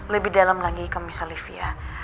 lebih dalam lagi ke miss olivia